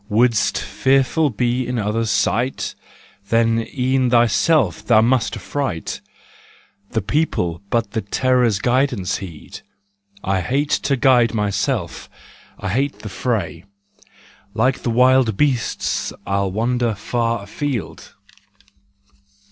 Wouldst fearful be in others' sight ? Then e'en thyself thou must affright: The people but the Terror's guidance heed. I hate to guide myself, I hate the fray. Like the wild beasts I'll wander far afield.